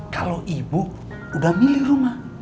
kalau ibu udah milih rumah